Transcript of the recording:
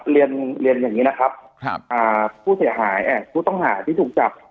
เรียนเรียนอย่างนี้นะครับผู้เสียหายผู้ต้องหาที่ถูกจับ